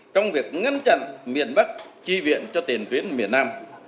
trong việc ngăn chặn miền bắc chi viện cho tiền tuyến miền nam